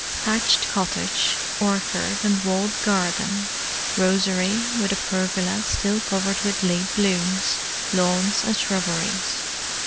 Thatched cottage, orchard, and walled garden, rosery, with a pergola still covered with late blooms, lawns and shrubberies.